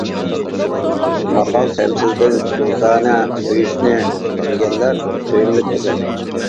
ماقال تەمسىلدىن دۇردانە. سۆيۈشنى بىلگەنلەر سۆيۈملۈك ئەزەل.